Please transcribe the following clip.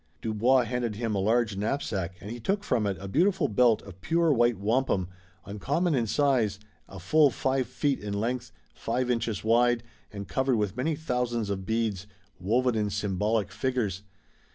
Dubois handed him a large knapsack and he took from it a beautiful belt of pure white wampum, uncommon in size, a full five feet in length, five inches wide, and covered with many thousands of beads, woven in symbolic figures.